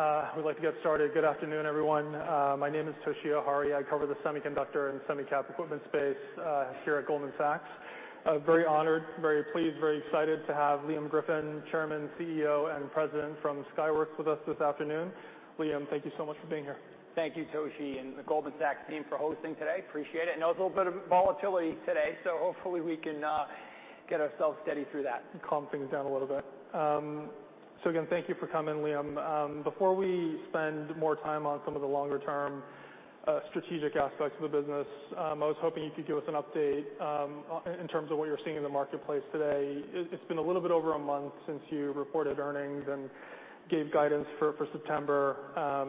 All right, we'd like to get started. Good afternoon, everyone. My name is Toshiya Hari. I cover the semiconductor and semi-cap equipment space, here at Goldman Sachs. I'm very honored, very pleased, very excited to have Liam Griffin, Chairman, CEO, and President from Skyworks with us this afternoon. Liam, thank you so much for being here. Thank you, Toshi, and the Goldman Sachs team for hosting today. Appreciate it. I know there's a little bit of volatility today, so hopefully we can get ourselves steady through that. Calm things down a little bit. Again, thank you for coming, Liam. Before we spend more time on some of the longer term, strategic aspects of the business, I was hoping you could give us an update, in terms of what you're seeing in the marketplace today. It's been a little bit over a month since you reported earnings and gave guidance for September.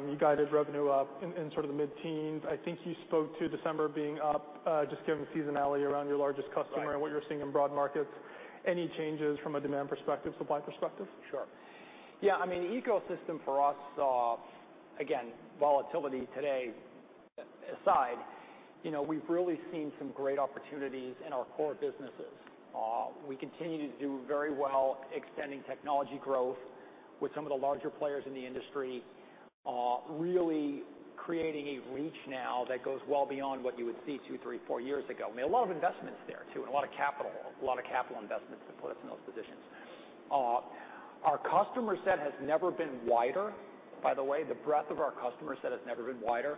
You guided revenue up in sort of the mid-teens%. I think you spoke to December being up, just given seasonality around your largest customer. Right. What you're seeing in broad markets. Any changes from a demand perspective, supply perspective? Sure. Yeah, I mean, the ecosystem for us, again, volatility today aside, you know, we've really seen some great opportunities in our core businesses. We continue to do very well extending technology growth with some of the larger players in the industry, really creating a reach now that goes well beyond what you would see two, three, four years ago. I mean, a lot of investments there, too, and a lot of capital, a lot of capital investments to put us in those positions. Our customer set has never been wider, by the way. The breadth of our customer set has never been wider.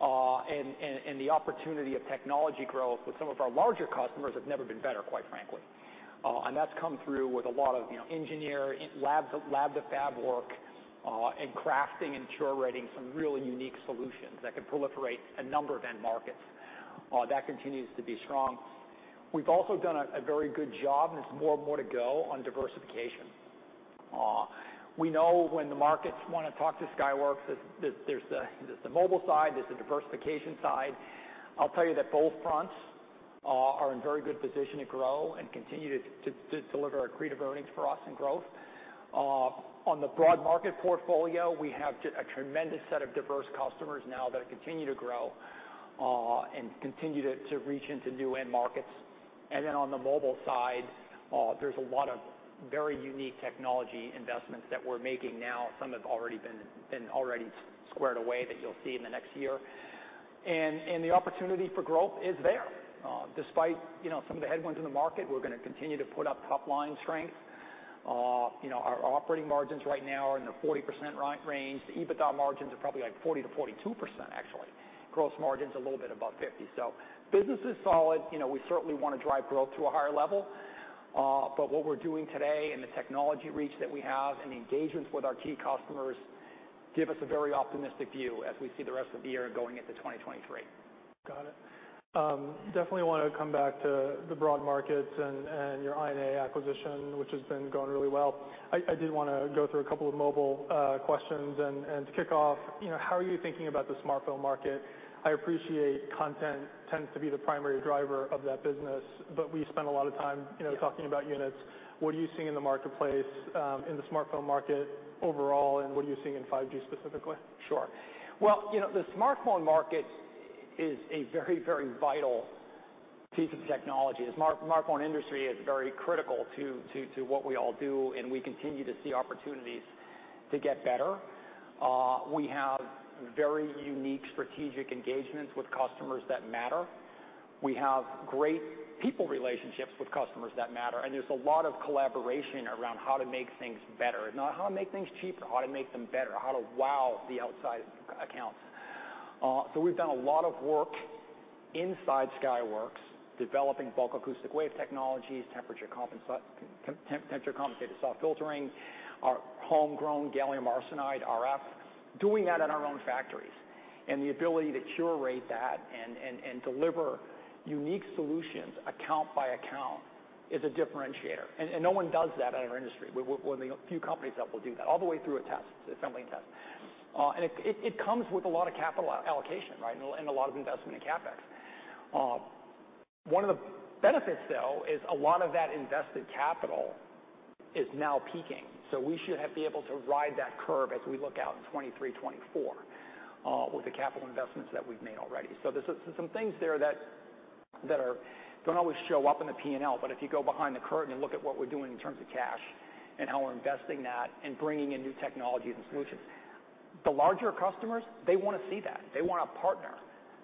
The opportunity of technology growth with some of our larger customers have never been better, quite frankly. That's come through with a lot of, you know, engineering lab-to-fab work, and crafting and curating some really unique solutions that could proliferate a number of end markets. That continues to be strong. We've also done a very good job, and there's more and more to go on diversification. We know when the markets wanna talk to Skyworks, there's the mobile side, there's the diversification side. I'll tell you that both fronts are in very good position to grow and continue to deliver accretive earnings for us and growth. On the broad market portfolio, we have a tremendous set of diverse customers now that continue to grow, and continue to reach into new end markets. On the mobile side, there's a lot of very unique technology investments that we're making now. Some have already been already squared away that you'll see in the next year. The opportunity for growth is there. Despite, you know, some of the headwinds in the market, we're gonna continue to put up top line strength. You know, our operating margins right now are in the 40% range. The EBITDA margins are probably like 40%-42%, actually. Gross margin's a little bit above 50%. Business is solid. You know, we certainly wanna drive growth to a higher level. What we're doing today and the technology reach that we have and the engagements with our key customers give us a very optimistic view as we see the rest of the year going into 2023. Got it. Definitely wanna come back to the broad markets and your I&A acquisition, which has been going really well. I did wanna go through a couple of mobile questions and to kick off, you know, how are you thinking about the smartphone market? I appreciate content tends to be the primary driver of that business, but we spend a lot of time, you know talking about units. What are you seeing in the marketplace, in the smartphone market overall, and what are you seeing in 5G specifically? Sure. Well, you know, the smartphone market is a very, very vital piece of technology. The smartphone industry is very critical to what we all do, and we continue to see opportunities to get better. We have very unique strategic engagements with customers that matter. We have great people relationships with customers that matter, and there's a lot of collaboration around how to make things better. Not how to make things cheaper, how to make them better, how to wow the outside accounts. We've done a lot of work inside Skyworks developing bulk acoustic wave technologies, temperature compensated SAW filtering, our homegrown gallium arsenide RF, doing that in our own factories. The ability to curate that and deliver unique solutions account by account is a differentiator. No one does that in our industry. We're one of the few companies that will do that, all the way through a test, assembly and test. It comes with a lot of capital allocation, right? A lot of investment in CapEx. One of the benefits, though, is a lot of that invested capital is now peaking, so we should be able to ride that curve as we look out in 2023, 2024, with the capital investments that we've made already. There's some things there that don't always show up in the P&L, but if you go behind the curtain and look at what we're doing in terms of cash and how we're investing that and bringing in new technologies and solutions, the larger customers, they wanna see that. They want a partner.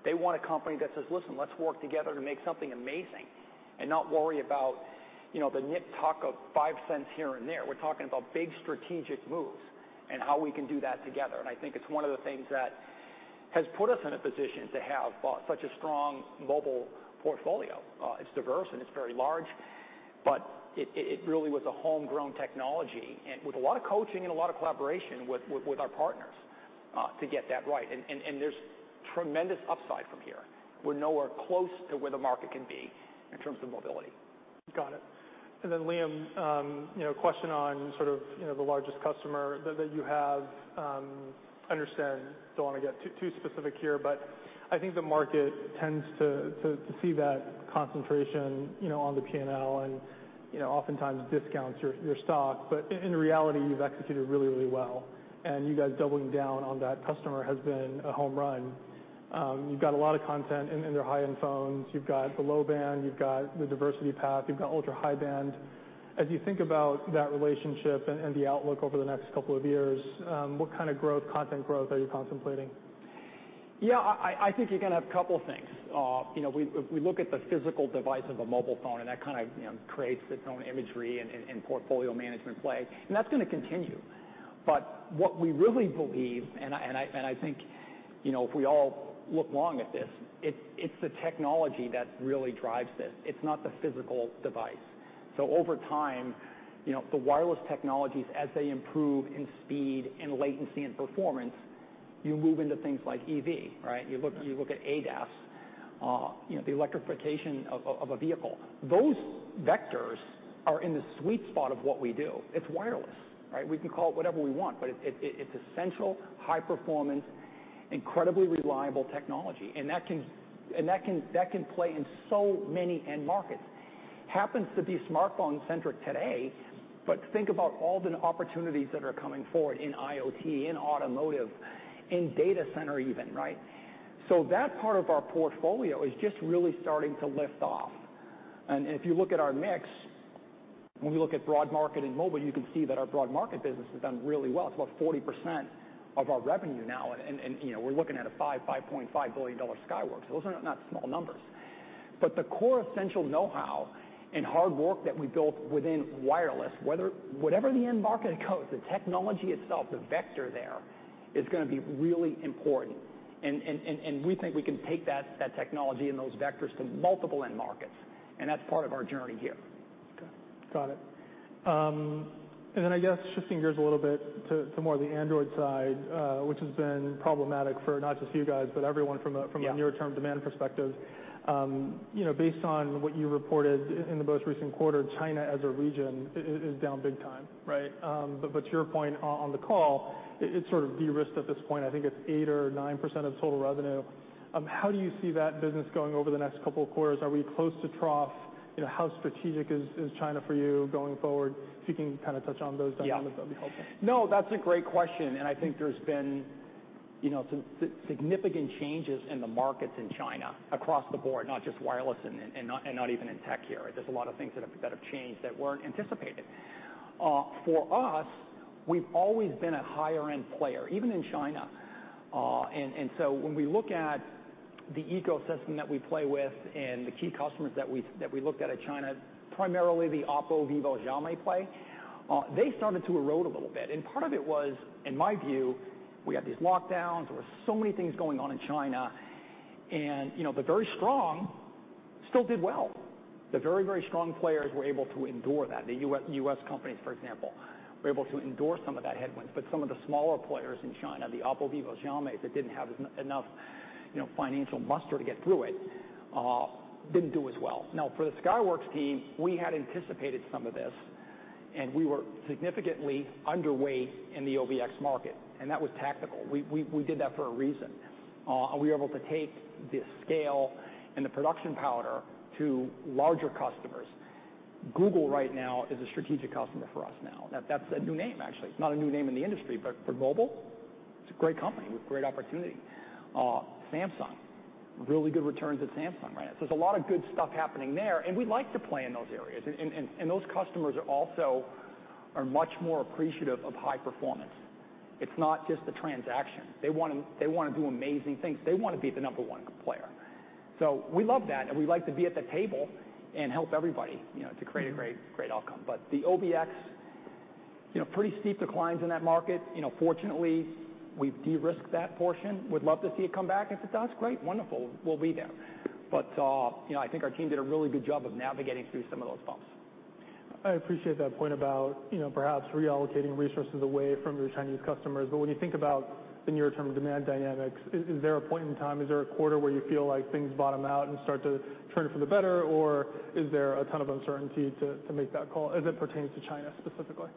They want a company that says, "Listen, let's work together to make something amazing," and not worry about, you know, the nit talk of five cents here and there. We're talking about big strategic moves and how we can do that together, and I think it's one of the things that has put us in a position to have such a strong mobile portfolio. It's diverse, and it's very large, but it really was a homegrown technology and with a lot of coaching and a lot of collaboration with our partners to get that right. There's tremendous upside from here. We're nowhere close to where the market can be in terms of mobility. Got it. Liam, you know, question on sort of, you know, the largest customer that you have. I understand you don't wanna get too specific here, but I think the market tends to see that concentration, you know, on the P&L and, you know, oftentimes discounts your stock. In reality, you've executed really well, and you guys doubling down on that customer has been a home run. You've got a lot of content in their high-end phones. You've got the low band, you've got the diversity path, you've got ultra-high band. As you think about that relationship and the outlook over the next couple of years, what kind of growth, content growth are you contemplating? Yeah, I think you're gonna have a couple things. You know, we look at the physical device of a mobile phone, and that kind of, you know, creates its own imagery and portfolio management play, and that's gonna continue. What we really believe, and I think, you know, if we all look long at this, it's the technology that really drives this. It's not the physical device. Over time, you know, the wireless technologies, as they improve in speed and latency and performance, you move into things like EV, right? You look at ADAS, you know, the electrification of a vehicle. Those vectors are in the sweet spot of what we do. It's wireless, right? We can call it whatever we want, but it's essential, high performance, incredibly reliable technology, and that can play in so many end markets. Happens to be smartphone centric today, but think about all the opportunities that are coming forward in IoT, in automotive, in data center even, right? That part of our portfolio is just really starting to lift off. If you look at our mix, when we look at broad market and mobile, you can see that our broad market business has done really well. It's about 40% of our revenue now, and you know, we're looking at a $5.5 billion Skyworks. Those are not small numbers. The core essential know-how and hard work that we built within wireless, whatever the end market goes, the technology itself, the vector there, is gonna be really important. We think we can take that technology and those vectors to multiple end markets, and that's part of our journey here. Okay. Got it. I guess shifting gears a little bit to more of the Android side, which has been problematic for not just you guys, but everyone. Yeah. From a near-term demand perspective. You know, based on what you reported in the most recent quarter, China as a region is down big time, right? To your point on the call, it's sort of de-risked at this point. I think it's 8% or 9% of total revenue. How do you see that business going over the next couple of quarters? Are we close to trough? You know, how strategic is China for you going forward? If you can kind of touch on those dynamics. Yeah. That'd be helpful. No, that's a great question, and I think there's been, you know, some significant changes in the markets in China across the board, not just wireless and not even in tech here. There's a lot of things that have changed that weren't anticipated. For us, we've always been a higher end player, even in China. When we look at the ecosystem that we play with and the key customers that we looked at in China, primarily the OPPO, vivo, Xiaomi play, they started to erode a little bit. Part of it was, in my view, we had these lockdowns. There were so many things going on in China. You know, the very strong still did well. The very, very strong players were able to endure that. The U.S., U.S. companies, for example, were able to endure some of that headwinds. Some of the smaller players in China, the OPPO, vivo, Xiaomi, that didn't have enough, you know, financial muster to get through it, didn't do as well. Now, for the Skyworks team, we had anticipated some of this, and we were significantly underweight in the OVX market, and that was tactical. We did that for a reason. We were able to take the scale and the production power to larger customers. Google right now is a strategic customer for us now. That's a new name, actually. It's not a new name in the industry, but for mobile, it's a great company with great opportunity. Samsung, really good returns at Samsung, right? There's a lot of good stuff happening there, and we like to play in those areas. Those customers are also much more appreciative of high performance. It's not just the transaction. They wanna do amazing things. They wanna be the number one player. We love that, and we like to be at the table and help everybody, you know, to create a great outcome. The OVX, you know, pretty steep declines in that market. You know, fortunately, we've de-risked that portion. Would love to see it come back. If it does, great, wonderful. We'll be there. You know, I think our team did a really good job of navigating through some of those bumps. I appreciate that point about, you know, perhaps reallocating resources away from your Chinese customers. When you think about the near-term demand dynamics, is there a point in time, is there a quarter where you feel like things bottom out and start to turn for the better, or is there a ton of uncertainty to make that call as it pertains to China specifically?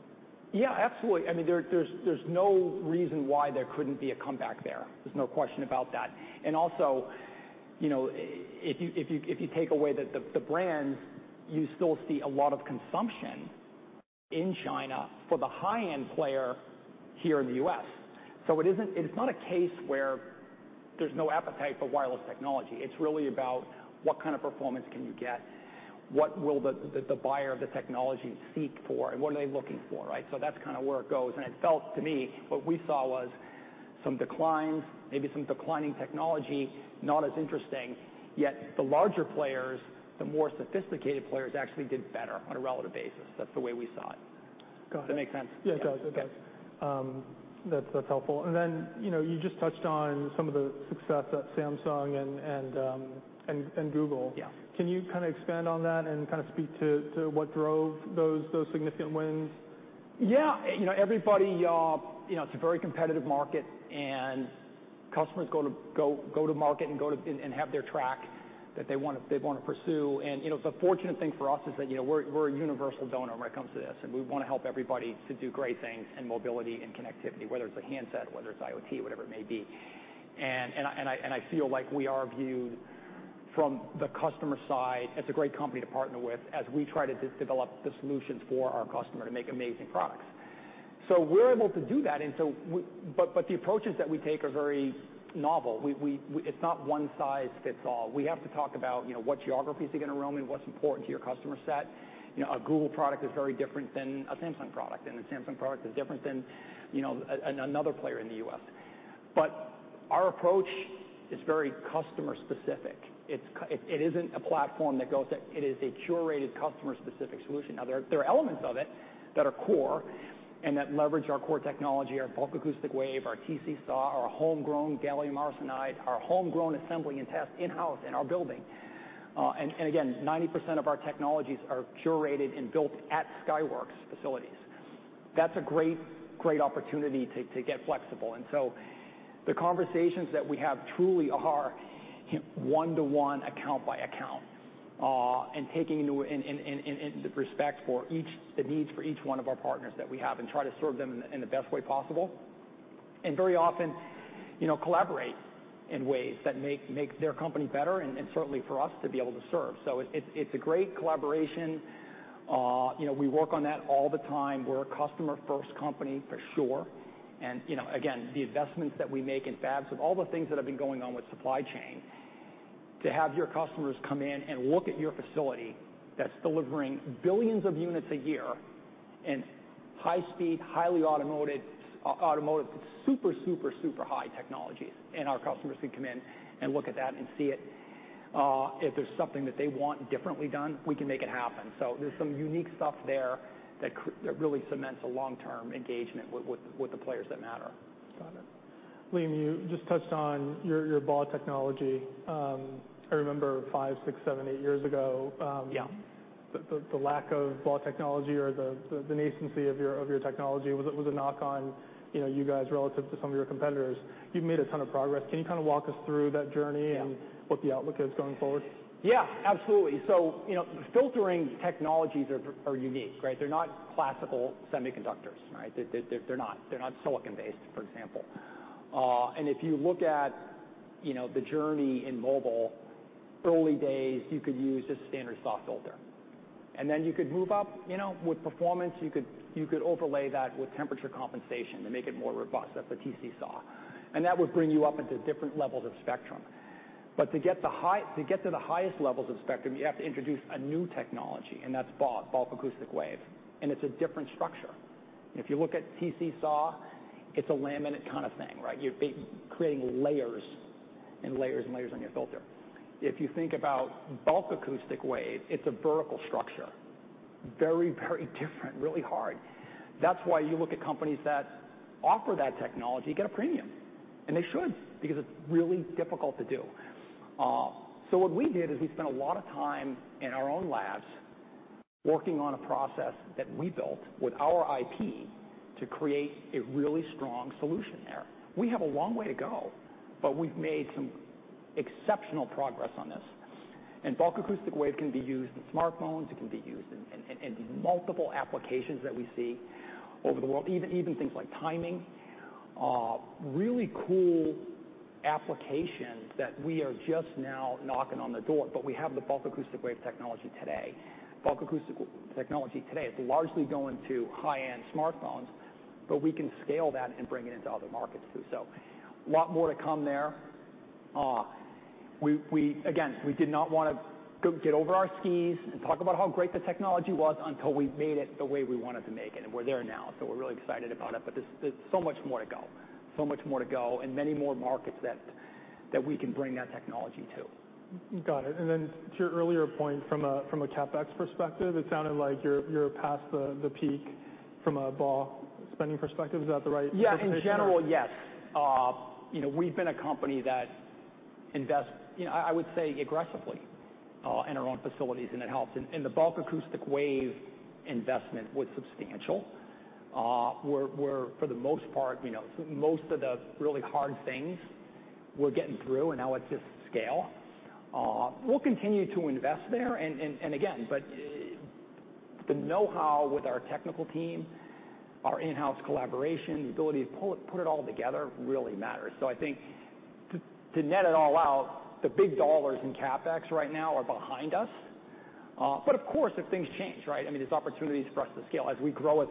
Yeah, absolutely. I mean, there's no reason why there couldn't be a comeback there. There's no question about that. Also, you know, if you take away the brands, you still see a lot of consumption in China for the high-end player here in the U.S.. It isn't, it's not a case where there's no appetite for wireless technology. It's really about what kind of performance can you get? What will the buyer of the technology seek for, and what are they looking for, right? That's kinda where it goes. It felt to me, what we saw was some declines, maybe some declining technology, not as interesting, yet the larger players, the more sophisticated players actually did better on a relative basis. That's the way we saw it. Got it. Does that make sense? Yeah, it does. Okay. That's helpful. Then, you know, you just touched on some of the success at Samsung and Google. Yeah. Can you kinda expand on that and kinda speak to what drove those significant wins? Yeah. You know, everybody, you know, it's a very competitive market, and customers go to market and have their track that they wanna pursue. You know, the fortunate thing for us is that, you know, we're a universal donor when it comes to this, and we wanna help everybody to do great things in mobility and connectivity, whether it's a handset, whether it's IoT, whatever it may be. I feel like we are viewed from the customer side as a great company to partner with as we try to co-develop the solutions for our customer to make amazing products. We're able to do that, but the approaches that we take are very novel. It's not one size fits all. We have to talk about, you know, what geographies are you gonna roam in? What's important to your customer set? You know, a Google product is very different than a Samsung product, and a Samsung product is different than, you know, another player in the U.S. Our approach is very customer specific. It isn't a platform that goes. It is a curated customer-specific solution. Now, there are elements of it that are core and that leverage our core technology, our bulk acoustic wave, our TC SAW, our homegrown gallium arsenide, our homegrown assembly and test in-house in our building. Again, 90% of our technologies are curated and built at Skyworks facilities. That's a great opportunity to get flexible. The conversations that we have truly are one-to-one, account-by-account, and taking into account the needs for each one of our partners that we have and try to serve them in the best way possible, and very often, you know, collaborate in ways that make their company better and certainly for us to be able to serve. It's a great collaboration. You know, we work on that all the time. We're a customer-first company for sure. You know, again, the investments that we make in fabs, with all the things that have been going on with supply chain, to have your customers come in and look at your facility that's delivering billions of units a year in high speed, highly automated automotive super super high technologies, and our customers can come in and look at that and see it, if there's something that they want differently done, we can make it happen. There's some unique stuff there that really cements a long-term engagement with the players that matter. Got it. Liam, you just touched on your BAW technology. I remember five, six, seven, eight years ago. Yeah. The lack of BAW technology or the nascency of your technology was a knock on, you know, you guys relative to some of your competitors. You've made a ton of progress. Can you kind of walk us through that journey and what the outlook is going forward? Yeah, absolutely. You know, filtering technologies are unique, right? They're not classical semiconductors, right? They're not silicon based, for example. If you look at you know, the journey in mobile, early days, you could use just a standard SAW filter, and then you could move up, you know, with performance. You could overlay that with temperature compensation to make it more robust. That's a TC SAW. That would bring you up into different levels of spectrum. To get to the highest levels of spectrum, you have to introduce a new technology, and that's BAW, bulk acoustic wave, and it's a different structure. If you look at TC SAW, it's a laminate kind of thing, right? You're creating layers and layers and layers on your filter. If you think about bulk acoustic wave, it's a vertical structure. Very, very different. Really hard. That's why you look at companies that offer that technology, get a premium, and they should because it's really difficult to do. What we did is we spent a lot of time in our own labs working on a process that we built with our IP to create a really strong solution there. We have a long way to go, but we've made some exceptional progress on this. Bulk acoustic wave can be used in smartphones, it can be used in multiple applications that we see over the world, even things like timing. Really cool applications that we are just now knocking on the door, but we have the bulk acoustic wave technology today. Bulk acoustic technology today is largely going to high-end smartphones, but we can scale that and bring it into other markets, too. A lot more to come there. We again did not wanna get over our skis and talk about how great the technology was until we made it the way we wanted to make it, and we're there now, so we're really excited about it. There's so much more to go. Much more to go, and many more markets that we can bring that technology to. Got it. Then to your earlier point from a CapEx perspective, it sounded like you're past the peak from a BAW spending perspective. Is that the right interpretation? Yeah. In general, yes. You know, we've been a company that invests, you know, I would say aggressively in our own facilities and it helps. The bulk acoustic wave investment was substantial. We're for the most part, you know, most of the really hard things we're getting through and now it's just scale. We'll continue to invest there and again, but the know how with our technical team, our in-house collaboration, the ability to put it all together really matters. I think to net it all out, the big dollars in CapEx right now are behind us. Of course, if things change, right? I mean, there's opportunities for us to scale. As we grow as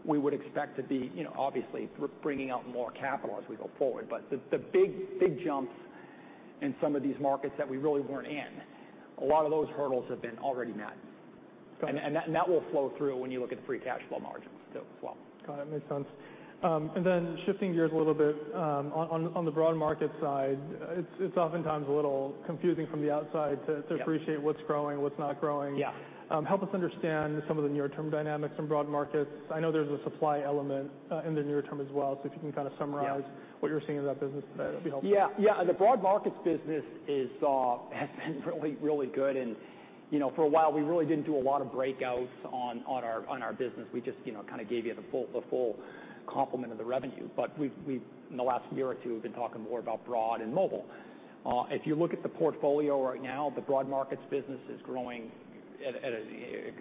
a company, we would expect to be, you know, obviously bringing out more capital as we go forward. The big jumps in some of these markets that we really weren't in, a lot of those hurdles have been already met. Got it. That will flow through when you look at the free cash flow margins too as well. Got it. Makes sense. Shifting gears a little bit, on the broad market side, it's oftentimes a little confusing from the outside to appreciate what's growing, what's not growing. Yeah. Help us understand some of the near-term dynamics from broad markets. I know there's a supply element, in the near term as well, so if you can kinda summarize. Yeah. What you're seeing in that business, that'd be helpful. Yeah. Yeah, the broad markets business is has been really good, you know, for a while we really didn't do a lot of breakouts on our business. We just, you know, kind of gave you the full complement of the revenue. We've in the last year or two have been talking more about broad and mobile. If you look at the portfolio right now, the broad markets business is growing at an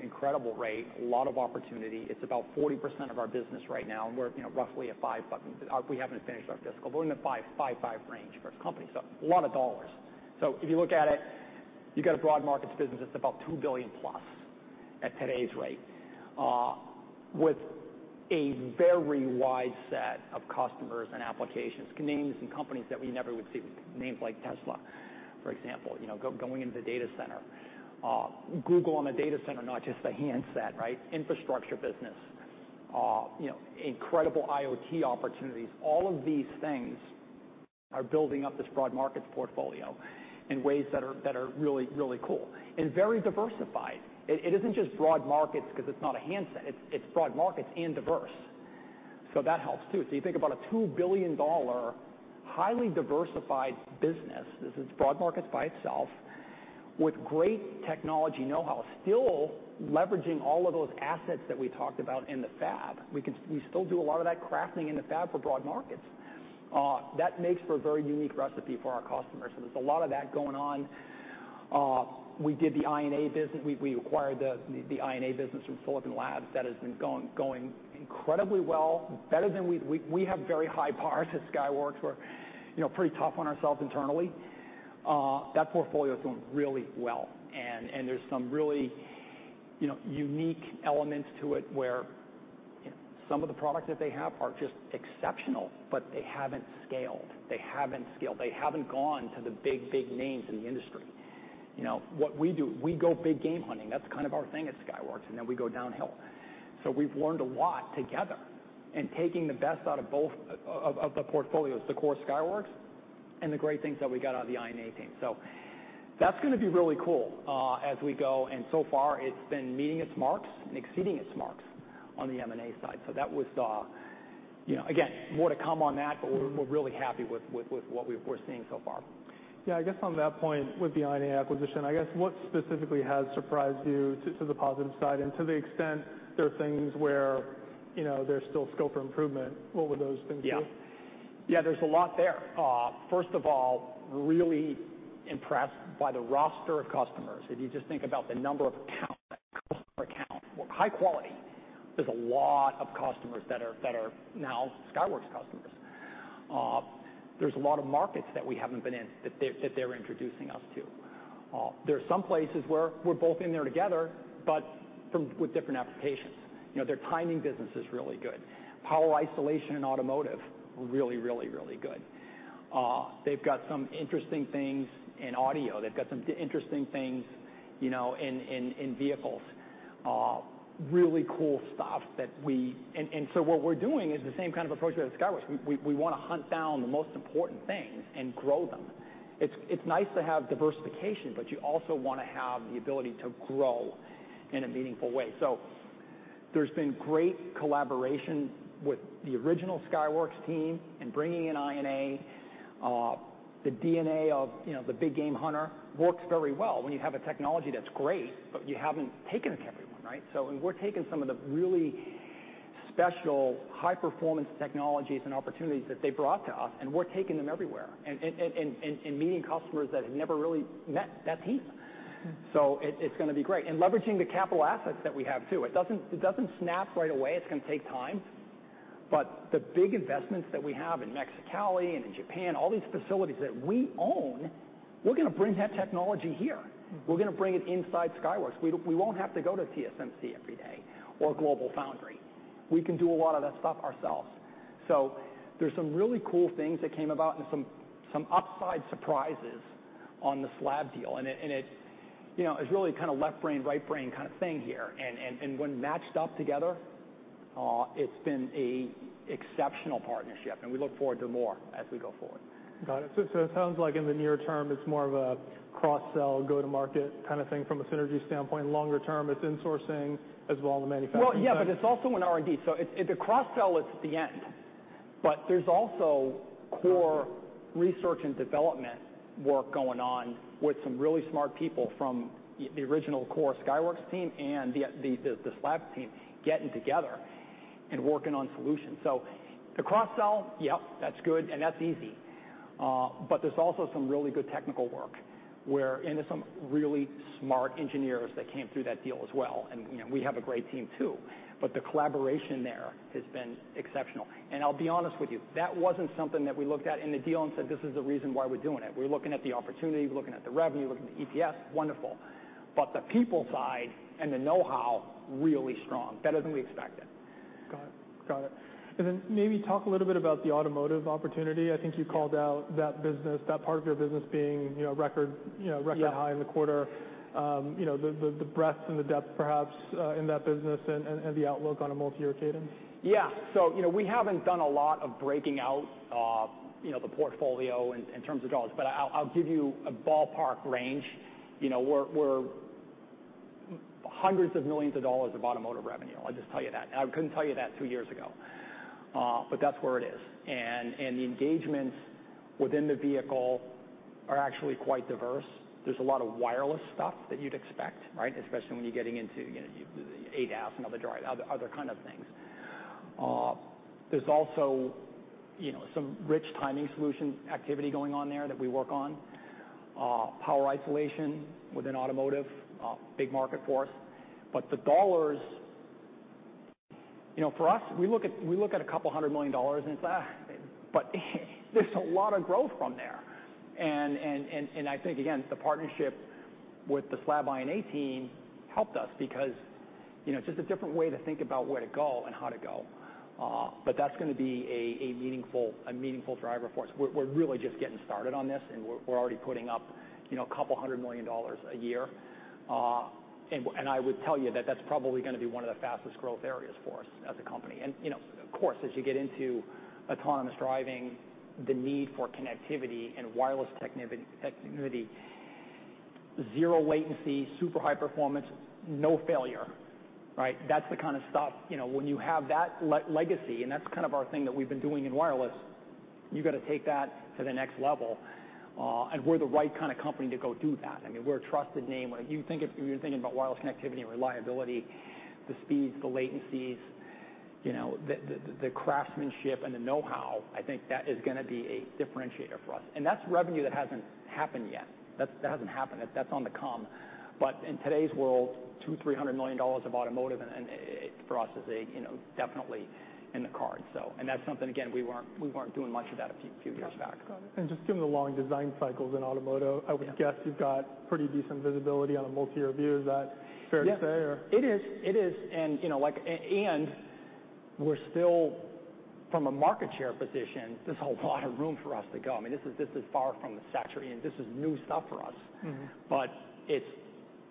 incredible rate, a lot of opportunity. It's about 40% of our business right now, and we're, you know, roughly at $5 but we haven't finished our fiscal. We're in the $5 range for our company, so a lot of dollars. If you look at it, you've got a broad markets business that's about $2 billion+ at today's rate, with a very wide set of customers and applications. Names and companies that we never would see. Names like Tesla. For example, you know, going into the data center. Google on the data center, not just the handset, right? Infrastructure business, you know, incredible IoT opportunities. All of these things are building up this broad markets portfolio in ways that are really, really cool and very diversified. It isn't just broad markets 'cause it's not a handset. It's broad markets and diverse, so that helps too. You think about a $2 billion highly diversified business. This is broad markets by itself with great technology knowhow, still leveraging all of those assets that we talked about in the fab. We still do a lot of that crafting in the fab for broad markets. That makes for a very unique recipe for our customers, and there's a lot of that going on. We did the I&A business. We acquired the I&A business from Silicon Labs that has been going incredibly well, better than we. We have very high bars at Skyworks. We're, you know, pretty tough on ourselves internally. That portfolio is doing really well, and there's some really, you know, unique elements to it where, you know, some of the products that they have are just exceptional, but they haven't scaled. They haven't gone to the big names in the industry. You know, what we do, we go big game hunting. That's kind of our thing at Skyworks, and then we go downhill. We've learned a lot together and taking the best out of both of the portfolios, the core Skyworks and the great things that we got out of the I&A team. That's gonna be really cool as we go, and so far it's been meeting its marks and exceeding its marks on the M&A side. That was the, you know. Again, more to come on that, but we're really happy with what we're seeing so far. Yeah. I guess on that point with the I&A acquisition, I guess what specifically has surprised you to the positive side, and to the extent there are things where, you know, there's still scope for improvement, what would those things be? Yeah. Yeah, there's a lot there. First of all, really impressed by the roster of customers. If you just think about the number of accounts, customer accounts, high quality, there's a lot of customers that are now Skyworks customers. There's a lot of markets that we haven't been in that they're introducing us to. There are some places where we're both in there together, but with different applications. You know, their timing business is really good. Power isolation and automotive really good. They've got some interesting things in audio. They've got some interesting things, you know, in vehicles. Really cool stuff. What we're doing is the same kind of approach we have at Skyworks. We wanna hunt down the most important things and grow them. It's nice to have diversification, but you also wanna have the ability to grow in a meaningful way. There's been great collaboration with the original Skyworks team and bringing in I&A. The DNA of, you know, the big game hunter works very well when you have a technology that's great, but you haven't taken it to everyone, right? We're taking some of the really special high performance technologies and opportunities that they brought to us, and we're taking them everywhere and meeting customers that have never really met that team. It's gonna be great. Leveraging the capital assets that we have too. It doesn't snap right away. It's gonna take time, but the big investments that we have in Mexicali and in Japan, all these facilities that we own, we're gonna bring that technology here. We're gonna bring it inside Skyworks. We won't have to go to TSMC every day or GlobalFoundries. We can do a lot of that stuff ourselves. There's some really cool things that came about and some upside surprises on the Silicon Labs deal. It, you know, is really kinda left brain, right brain kinda thing here, and when matched up together, it's been an exceptional partnership, and we look forward to more as we go forward. Got it. It sounds like in the near term it's more of a cross-sell, go to market kind of thing from a synergy standpoint. Longer term, it's insourcing as well in the manufacturing side. Well, yeah, but it's also an R&D. It, the cross-sell is the end, but there's also core research and development work going on with some really smart people from the original core Skyworks team and the Silicon Labs team getting together and working on solutions. The cross-sell, yep, that's good, and that's easy. There's also some really good technical work. There's some really smart engineers that came through that deal as well, and, you know, we have a great team too, but the collaboration there has been exceptional. I'll be honest with you, that wasn't something that we looked at in the deal and said, "This is the reason why we're doing it." We're looking at the opportunity, we're looking at the revenue, looking at the EPS, wonderful, but the people side and the know-how, really strong, better than we expected. Got it. Maybe talk a little bit about the automotive opportunity. Yeah. I think you called out that business, that part of your business being, you know, record high in the quarter. You know, the breadth and the depth perhaps in that business and the outlook on a multi-year cadence. Yeah. You know, we haven't done a lot of breaking out, you know, the portfolio in terms of dollars, but I'll give you a ballpark range. You know, we're hundreds of millions of automotive revenue. I'll just tell you that. I couldn't tell you that two years ago, but that's where it is. The engagements within the vehicle are actually quite diverse. There's a lot of wireless stuff that you'd expect, right? Especially when you're getting into, you know, ADAS and other kind of things. There's also, you know, some rich timing solution activity going on there that we work on. Power isolation within automotive, big market for us. The dollars, you know, for us, we look at a couple of hundred million dollars, but there's a lot of growth from there. I think, again, the partnership with the Silicon Labs I&A team helped us because you know, just a different way to think about where to go and how to go. That's gonna be a meaningful driver for us. We're really just getting started on this, and we're already putting up, you know, a couple of hundred million a year. I would tell you that that's probably gonna be one of the fastest growth areas for us as a company. You know, of course, as you get into autonomous driving, the need for connectivity and wireless connectivity, zero latency, super high performance, no failure, right? That's the kinda stuff, you know, when you have that legacy, and that's kind of our thing that we've been doing in wireless, you gotta take that to the next level. We're the right kinda company to go do that. I mean, we're a trusted name. When you think of if you're thinking about wireless connectivity and reliability, the speeds, the latencies, you know, the craftsmanship and the knowhow, I think that is gonna be a differentiator for us. That's revenue that hasn't happened yet. That hasn't happened yet. That's on the come. In today's world, $200 million, $300 million of automotive and IoT for us is, you know, definitely in the cards. That's something, again, we weren't doing much of that a few years back. Got it. Just given the long design cycles in automotive. Yeah. I would guess you've got pretty decent visibility on a multi-year view. Is that fair to say or? Yeah. It is. You know, and we're still from a market share position. There's a lot of room for us to go. I mean, this is far from maturity, and this is new stuff for us. Mm-hmm.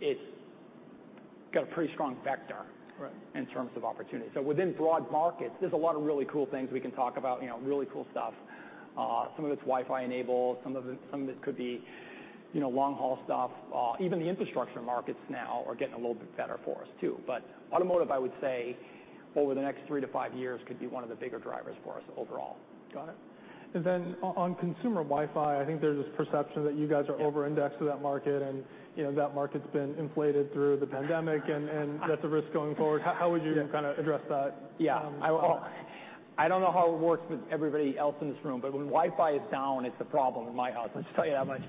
It's got a pretty strong vector. Right. In terms of opportunity. Within broad markets, there's a lot of really cool things we can talk about, you know, really cool stuff. Some of it's Wi-Fi enabled, some of it could be, you know, long haul stuff. Even the infrastructure markets now are getting a little bit better for us too. Automotive, I would say, over the next three to five years could be one of the bigger drivers for us overall. Got it. On consumer Wi-Fi, I think there's this perception that you guys are over-indexed to that market, and, you know, that market's been inflated through the pandemic and that's a risk going forward. How would you kinda address that? Yeah. I don't know how it works with everybody else in this room, but when Wi-Fi is down, it's a problem in my house. I'll just tell you how much.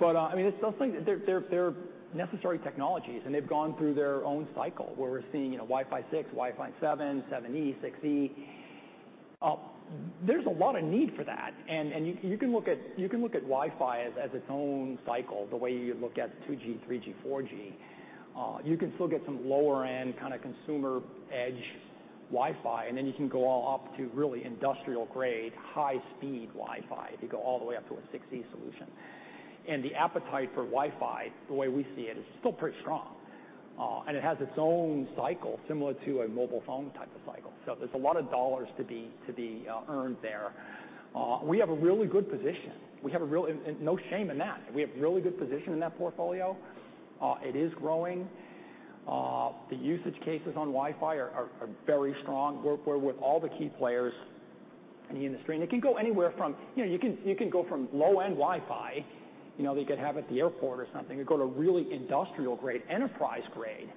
I mean, it's those things. They're necessary technologies, and they've gone through their own cycle, where we're seeing, you know, Wi-Fi 6, Wi-Fi 7, 7E, 6E. There's a lot of need for that, and you can look at Wi-Fi as its own cycle, the way you look at 2G, 3G, 4G. You can still get some lower end kinda consumer edge Wi-Fi, and then you can go all up to really industrial grade, high speed Wi-Fi if you go all the way up to a 6E solution. The appetite for Wi-Fi, the way we see it, is still pretty strong. It has its own cycle, similar to a mobile phone type of cycle. There's a lot of dollars to be earned there. We have a really good position. No shame in that. We have really good position in that portfolio. It is growing. The use cases on Wi-Fi are very strong. We're with all the key players in the industry. It can go anywhere from, you know, you can go from low-end Wi-Fi, you know, that you could have at the airport or something, and go to really industrial grade, enterprise grade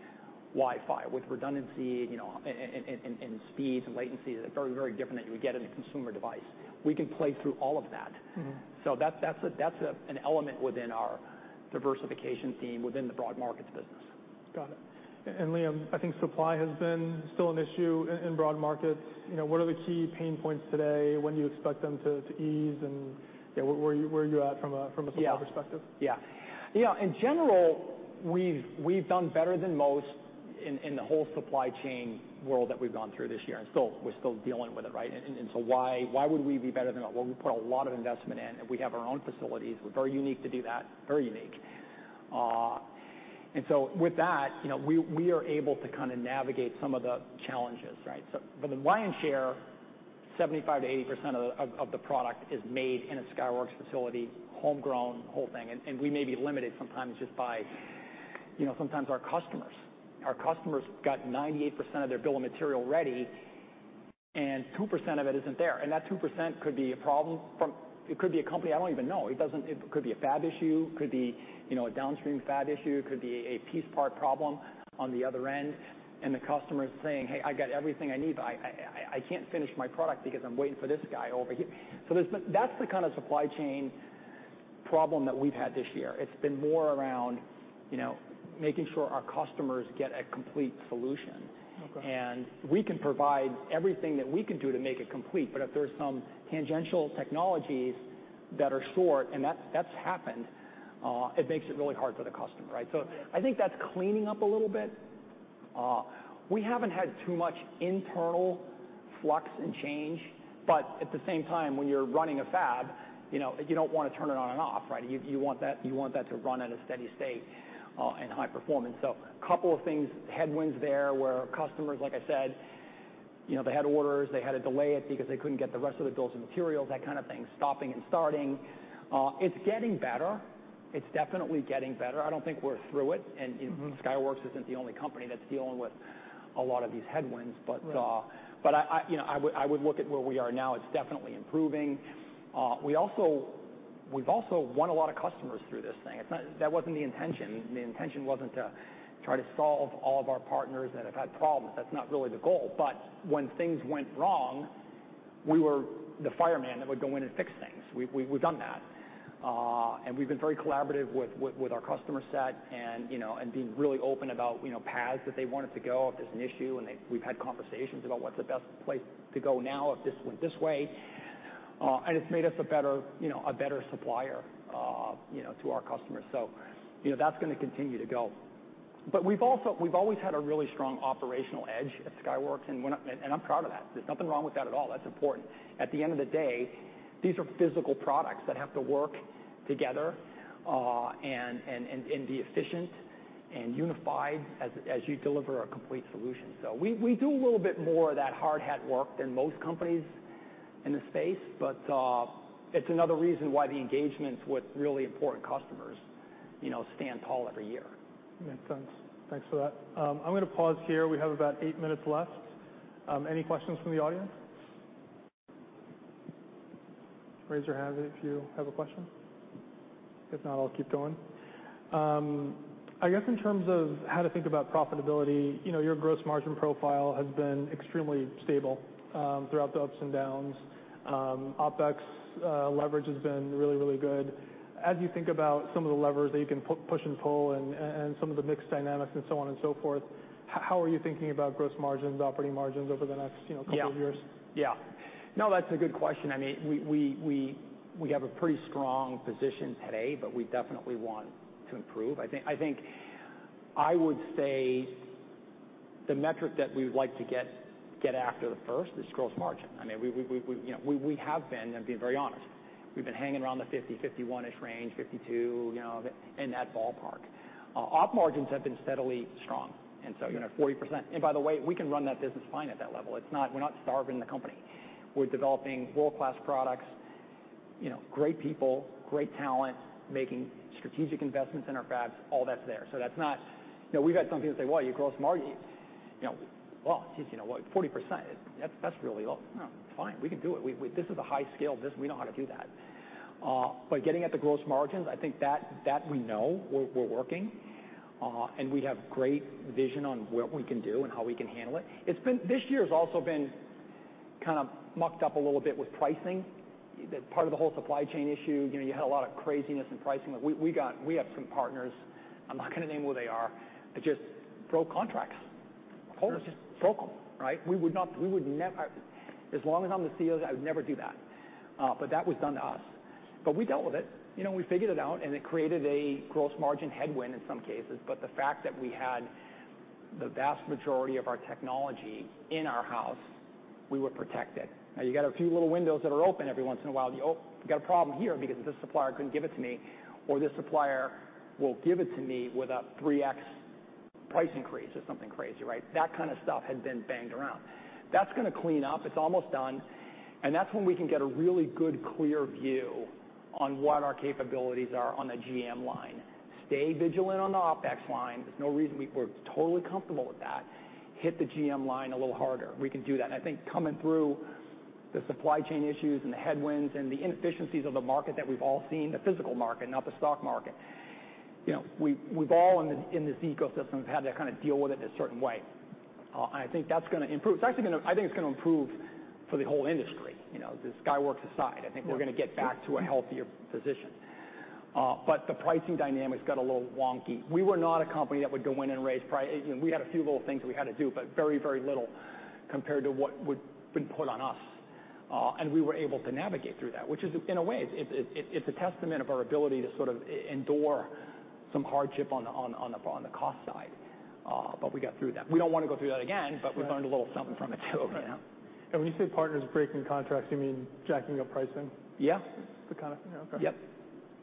Wi-Fi with redundancy, you know, and speeds and latencies that are very, very different that you would get in a consumer device. We can play through all of that. Mm-hmm. That's an element within our diversification theme within the broad markets business. Got it. Liam, I think supply has been still an issue in broad markets. You know, what are the key pain points today? When do you expect them to ease? You know, where are you at from a supply perspective? Yeah. You know, in general, we've done better than most in the whole supply chain world that we've gone through this year, and we're still dealing with it, right? Why would we be better than that? Well, we put a lot of investment in, and we have our own facilities. We're very unique to do that. Very unique. With that, you know, we are able to kinda navigate some of the challenges, right? For the lion's share, 75%-80% of the product is made in a Skyworks facility, homegrown, whole thing. We may be limited sometimes just by, you know, sometimes our customers. Our customers got 98% of their bill of material ready, and 2% of it isn't there, and that 2% could be a problem from. It could be a company I don't even know. It doesn't. It could be a fab issue. Could be, you know, a downstream fab issue. Could be a piece part problem on the other end, and the customer's saying, "Hey, I got everything I need, but I can't finish my product because I'm waiting for this guy over here." So there's been. That's the kind of supply chain problem that we've had this year. It's been more around, you know, making sure our customers get a complete solution. Okay. We can provide everything that we can do to make it complete, but if there's some tangential technologies that are short, and that's happened, it makes it really hard for the customer, right? Right. I think that's cleaning up a little bit. We haven't had too much internal flux and change, but at the same time, when you're running a fab, you know, you don't wanna turn it on and off, right? You want that to run at a steady state and high performance. Couple of things, headwinds there, where customers, like I said, you know, they had orders, they had to delay it because they couldn't get the rest of the bill of materials, that kind of thing. Stopping and starting. It's getting better. It's definitely getting better. I don't think we're through it. Mm-hmm. Skyworks isn't the only company that's dealing with a lot of these headwinds, but. Right. I would look at where we are now. It's definitely improving. We've also won a lot of customers through this thing. That wasn't the intention. The intention wasn't to try to solve all of our partners that have had problems. That's not really the goal. When things went wrong, we were the fireman that would go in and fix things. We've done that. We've been very collaborative with our customer set and, you know, being really open about, you know, paths that they want us to go if there's an issue, and we've had conversations about what's the best place to go now if this went this way. It's made us a better supplier, you know, to our customers. You know, that's gonna continue to go. We've always had a really strong operational edge at Skyworks, and I'm proud of that. There's nothing wrong with that at all. That's important. At the end of the day, these are physical products that have to work together, and be efficient and unified as you deliver a complete solution. We do a little bit more of that hard hat work than most companies in this space, but it's another reason why the engagements with really important customers, you know, stand tall every year. Makes sense. Thanks for that. I'm gonna pause here. We have about eight minutes left. Any questions from the audience? Raise your hand if you have a question. If not, I'll keep going. I guess in terms of how to think about profitability, you know, your gross margin profile has been extremely stable, throughout the ups and downs. OpEx leverage has been really, really good. As you think about some of the levers that you can push and pull and some of the mix dynamics and so on and so forth, how are you thinking about gross margins, operating margins over the next, you know couple years? Yeah. No, that's a good question. I mean, we have a pretty strong position today, but we definitely want to improve. I think I would say the metric that we would like to get after first is gross margin. I mean, you know, we have been, I'm being very honest, we've been hanging around the 50%, 51%-ish range, 52%, you know, in that ballpark. Op margins have been steadily strong, and so, you know, 40%. By the way, we can run that business fine at that level. It's not. We're not starving the company. We're developing world class products, you know, great people, great talent, making strategic investments in our fabs, all that's there. That's not. You know, we've had some people say, Well, your gross margin, you know, well, geez, you know, what, 40%. That's really low. No, it's fine. We can do it. This is a high-scale biz. We know how to do that. Getting at the gross margins, I think that we know we're working and we have great vision on what we can do and how we can handle it. This year's also been kind of mucked up a little bit with pricing. The part of the whole supply chain issue, you know, you had a lot of craziness in pricing. Like, we have some partners, I'm not gonna name who they are, that just broke contracts. Yeah. Just broke them, right? We would not. I, as long as I'm the CEO, I would never do that. That was done to us. We dealt with it. You know, we figured it out, and it created a gross margin headwind in some cases. The fact that we had the vast majority of our technology in our house, we were protected. Now you got a few little windows that are open every once in a while. You, oh, we got a problem here because this supplier couldn't give it to me, or this supplier will give it to me with a 3x price increase or something crazy, right? That kind of stuff has been banged around. That's gonna clean up. It's almost done. That's when we can get a really good, clear view on what our capabilities are on the GM line. Stay vigilant on the OpEx line. There's no reason we're totally comfortable with that. Hit the GM line a little harder. We can do that. I think coming through the supply chain issues and the headwinds and the inefficiencies of the market that we've all seen, the physical market, not the stock market, you know, we've all in this ecosystem have had to kind of deal with it a certain way. I think that's gonna improve. I think it's gonna improve for the whole industry. You know, the Skyworks aside, I think we're gonna get back to a healthier position. The pricing dynamics got a little wonky. We were not a company that would go in and raise prices, you know, we had a few little things that we had to do, but very, very little compared to what would have been put on us. We were able to navigate through that, which is, in a way, it's a testament of our ability to sort of endure some hardship on the cost side. We got through that. We don't wanna go through that again. Right. We've learned a little something from it too. Right. When you say partners breaking contracts, you mean jacking up pricing? Yeah. That kind of thing? Okay. Yep.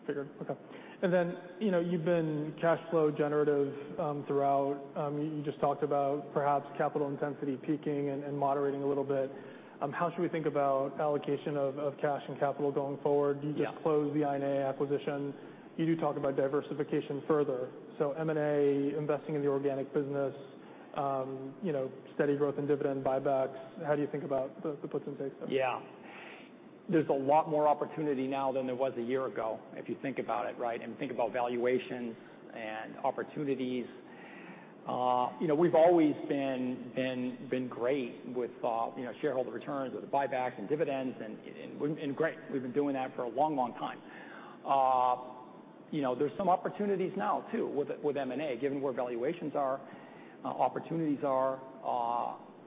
Figured, okay. You know, you've been cash flow generative throughout. You just talked about perhaps capital intensity peaking and moderating a little bit. How should we think about allocation of cash and capital going forward? Yeah. Do you just close the I&A acquisition? You do talk about diversification further. M&A, investing in the organic business, you know, steady growth in dividend buybacks. How do you think about the puts and takes there? Yeah. There's a lot more opportunity now than there was a year ago, if you think about it, right? Think about valuations and opportunities. You know, we've always been great with, you know, shareholder returns or the buybacks and dividends and great. We've been doing that for a long, long time. You know, there's some opportunities now too with M&A, given where valuations are, opportunities are.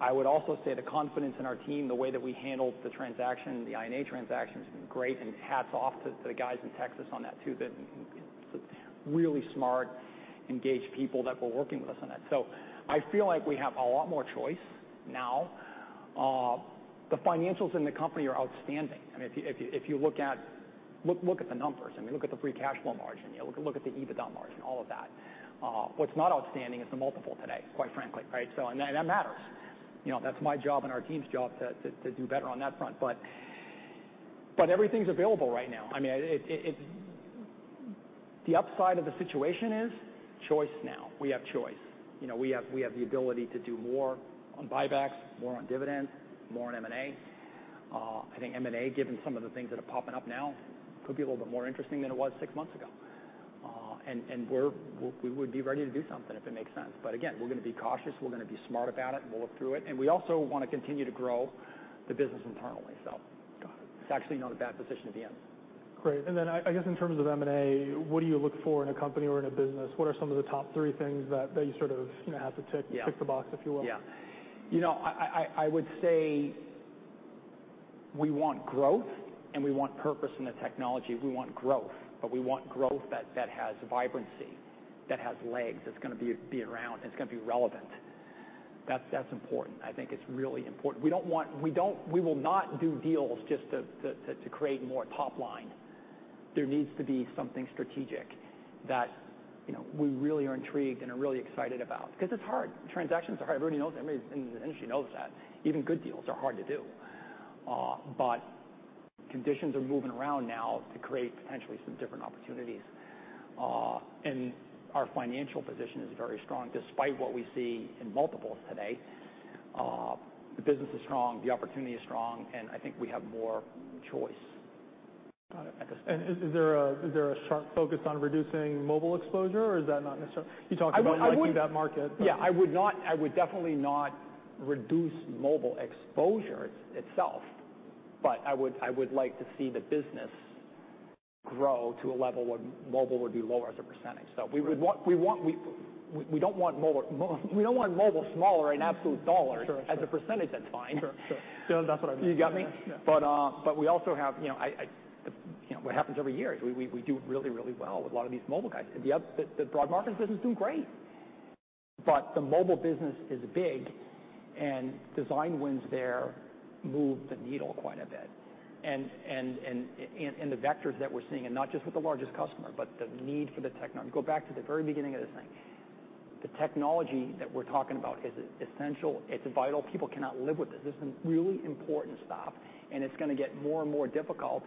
I would also say the confidence in our team, the way that we handled the transaction, the I&A transaction, has been great, and hats off to the guys in Texas on that too. They're really smart, engaged people that were working with us on that. I feel like we have a lot more choice now. The financials in the company are outstanding. I mean, look at the numbers. I mean, look at the free cash flow margin. You know, look at the EBITDA margin, all of that. What's not outstanding is the multiple today, quite frankly, right? That matters. You know, that's my job and our team's job to do better on that front. Everything's available right now. I mean, the upside of the situation is choice now. We have choice. You know, we have the ability to do more on buybacks, more on dividends, more on M&A. I think M&A, given some of the things that are popping up now, could be a little bit more interesting than it was six months ago. We would be ready to do something if it makes sense. Again, we're gonna be cautious, we're gonna be smart about it, and we'll look through it. We also wanna continue to grow the business internally. Got it. It's actually not a bad position to be in. Great. I guess in terms of M&A, what do you look for in a company or in a business? What are some of the top three things that you sort of, you know, have to tick. Yeah. Tick the box, if you will? Yeah. You know, I would say we want growth and we want purpose in the technology. We want growth, but we want growth that has vibrancy, that has legs, that's gonna be around, that's gonna be relevant. That's important. I think it's really important. We will not do deals just to create more top line. There needs to be something strategic that, you know, we really are intrigued and are really excited about 'cause it's hard. Transactions are hard. Everybody knows, everybody in this industry knows that. Even good deals are hard to do. Conditions are moving around now to create potentially some different opportunities. Our financial position is very strong, despite what we see in multiples today. The business is strong, the opportunity is strong, and I think we have more choice. Got it. Is there a sharp focus on reducing mobile exposure or is that not necessarily? You talked about. I would. Liking that market, but. Yeah, I would definitely not reduce mobile exposure itself, but I would like to see the business grow to a level where mobile would be lower as a percentage. We don't want mobile smaller in absolute dollars. Sure. Sure. As a percentage, that's fine. Sure. No, that's what I meant. You got me? Yeah. We also have, you know, you know, what happens every year is we do really well with a lot of these mobile guys. The other broad market business is doing great, but the mobile business is big, and design wins there move the needle quite a bit. In the vectors that we're seeing, and not just with the largest customer, but the need for. Go back to the very beginning of this thing, the technology that we're talking about is essential. It's vital. People cannot live with this. This is really important stuff, and it's gonna get more and more difficult,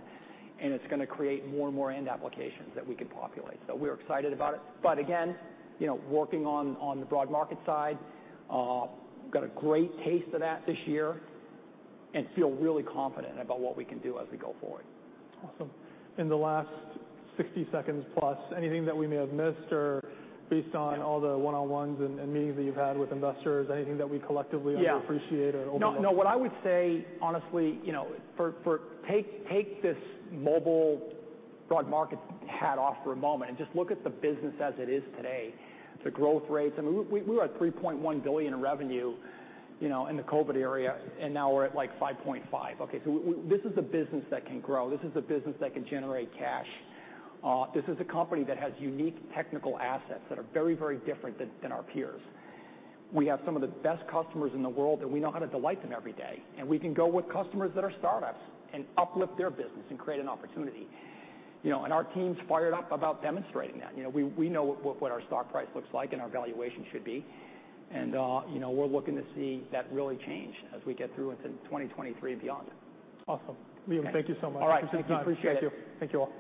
and it's gonna create more and more end applications that we can populate. We're excited about it. Again, you know, working on the broad market side, got a great taste of that this year and feel really confident about what we can do as we go forward. Awesome. In the last 60 seconds plus, anything that we may have missed, or based on all the one-on-ones and meetings that you've had with investors, anything that we collectively. Yeah. Underappreciate or overlook? No. No. What I would say, honestly, you know, for... Take this mobile broad market hat off for a moment and just look at the business as it is today. The growth rates. I mean, we were at $3.1 billion in revenue, you know, in the COVID era, and now we're at, like, $5.5 billion. Okay? So we... This is a business that can grow. This is a business that can generate cash. This is a company that has unique technical assets that are very, very different than our peers. We have some of the best customers in the world, and we know how to delight them every day, and we can go with customers that are startups and uplift their business and create an opportunity. You know, and our team's fired up about demonstrating that. You know, we know what our stock price looks like and our valuation should be, and you know, we're looking to see that really change as we get through into 2023 and beyond. Awesome. Liam, thank you so much. All right. Thank you. Appreciate it. Thank you. Thank you all.